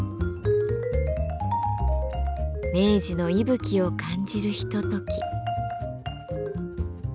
明治の息吹を感じるひととき。